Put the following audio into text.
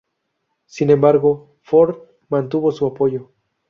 Sin embargo, Ford mantuvo su apoyo.